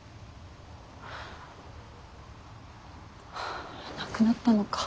あ亡くなったのか。